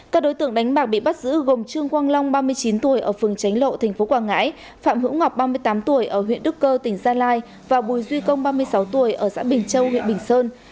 các đối tượng đánh bạc bị bắt giữ gồm trương quang long ba mươi chín tuổi ở phường tránh lộ tp quảng ngãi phạm hữu ngọc ba mươi tám tuổi ở huyện đức cơ tỉnh gia lai và bùi duy công ba mươi sáu tuổi ở xã bình châu huyện bình sơn